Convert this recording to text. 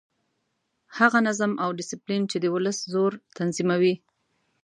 هغه نظم او ډسپلین چې د ولس زور تنظیموي.